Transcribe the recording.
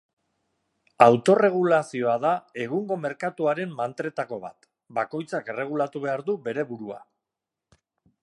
Autoerregulazioa da egungo merkatuaren mantretako bat: bakoitzak erregulatu behar du bere burua.